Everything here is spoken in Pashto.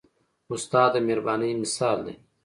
استاد د مهربانۍ مثال دی.